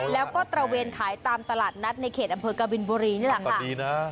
แล้วก็ตระเวนขายตามตลาดนัดในเขตอำเภอกบินบุรีนี่แหละค่ะดีนะ